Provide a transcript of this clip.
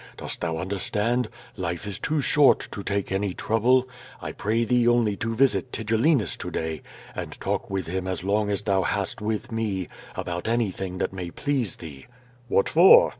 Dost thou understand? Life is too short to take any trouble. I pray thee only to visit Tigellinus to day and talk with him as long as thou hast with me, about anything that may please thee." "Wliat for?"